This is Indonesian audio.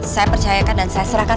saya percayakan dan saya serahkan